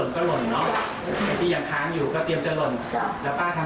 เพียงอย่างครั้งอยู่ก่อนเตียงจะหล่นแล้วพ่อทำยังไงจ้ะ